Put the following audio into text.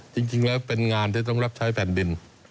จริงแล้วเป็นงานที่ต้องรับใช้แผ่นดิน